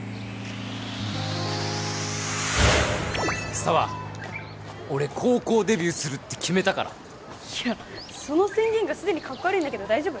紗羽俺高校デビューするって決めたからいやその宣言がすでにカッコ悪いんだけど大丈夫？